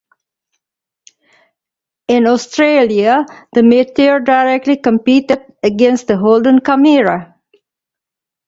In Australia, the Meteor directly competed against the Holden Camira.